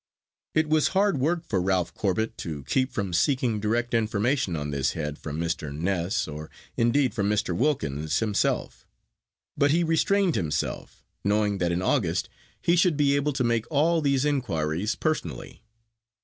It was hard work for Ralph Corbet to keep from seeking direct information on this head from Mr. Ness, or, indeed, from Mr. Wilkins himself. But he restrained himself, knowing that in August he should be able to make all these inquiries personally.